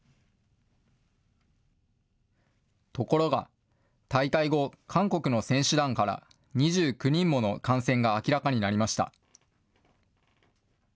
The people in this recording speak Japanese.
ところが、大会後、韓国の選手団から２９人もの感染が明らかになりました。